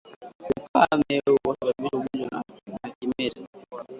Ukame husababisha ugonjwa wa kimeta